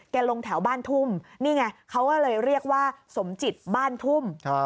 ลงแถวบ้านทุ่มนี่ไงเขาก็เลยเรียกว่าสมจิตบ้านทุ่ม